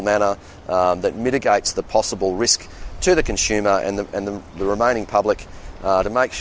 yang memitigasi risiko yang mungkin untuk pengguna dan publik yang kekal